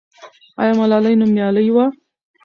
آیا ملالۍ نومیالۍ وه؟